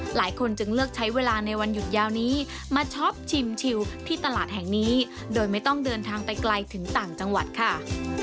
หลายคนจึงเลือกใช้เวลาในวันหยุดยาวนี้มาช็อปชิมชิวที่ตลาดแห่งนี้โดยไม่ต้องเดินทางไปไกลถึงต่างจังหวัดค่ะ